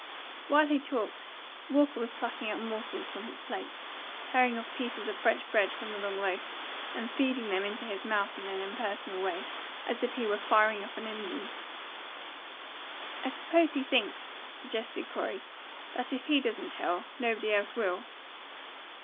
While he talked, Walker was plucking up morsels from his plate, tearing off pieces of French bread from the long loaf, and feeding them into his mouth in an impersonal way, as if he were firing up an engine. "I suppose he thinks," suggested Corey, "that if he doesn't tell, nobody else will."